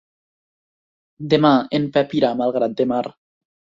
Demà en Pep irà a Malgrat de Mar.